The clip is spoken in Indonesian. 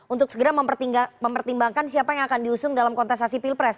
untuk segera mempertimbangkan siapa yang akan diusung dalam kontestasi pilpres